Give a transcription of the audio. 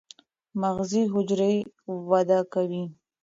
مغزي حجرې وده کوي.